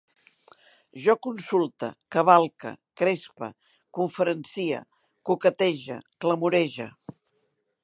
Jo consulte, cavalque, crespe, conferencie, coquetege, clamorege